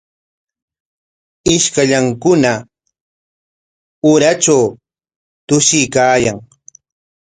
Ishkallankunam uratraw tushuykaayan.